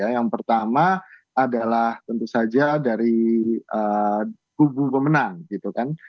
yang pertama adalah tentu saja dari kubu pemenang gitu kan